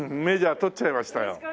メジャー取っちゃいましたよ。